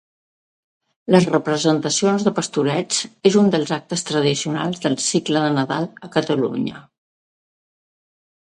Les representacions de pastorets és un dels actes tradicionals del cicle de Nadal a Catalunya.